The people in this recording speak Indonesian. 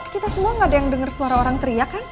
kita semua gak ada yang denger suara orang teriak kan